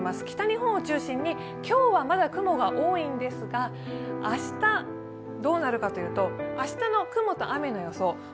北日本を中心に今日はまだ雲が多いんですが明日どうなるかというと、明日の雲と雨の予想。